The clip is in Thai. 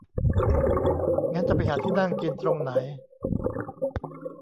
งั้นจะไปหาที่นั่งกินตรงไหน